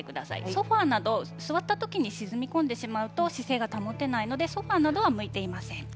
ソファーなど、座った時に沈み込んでしまうと姿勢が保てないのでソファーは向いていません。